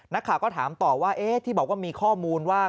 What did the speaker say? นักข่าวก็ถามต่อว่าที่บอกว่ามีข้อมูลว่า